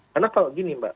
karena kalau gini mbak